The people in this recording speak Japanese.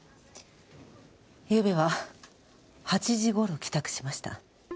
ゆうべは８時頃帰宅しました。